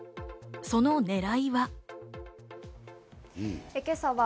その狙いは？